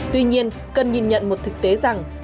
tuy nhiên cần nhìn nhận một thực tế giã ngoại